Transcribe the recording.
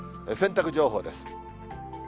洗濯情報です。